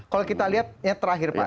kalau kita lihat yang terakhir pak